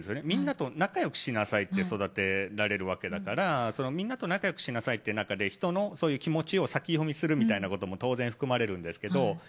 みんなと仲良くしなさいって育てられるからみんなと仲良くしなさいっていう中で人のそういう気持ちを先読みするみたいなことも当然含まれるんですけど。